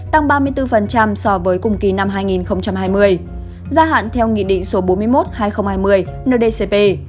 tăng ba mươi bốn so với cùng kỳ năm hai nghìn hai mươi gia hạn theo nghị định số bốn mươi một hai nghìn hai mươi ndcp